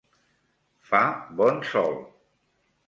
Fa bon sol.